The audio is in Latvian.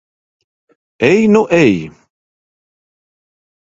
Ej nu ej!